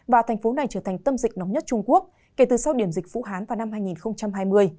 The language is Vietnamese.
và thành phố này trở thành tâm dịch nóng nhất trung quốc kể từ sau điểm dịch vũ hán vào năm hai nghìn hai mươi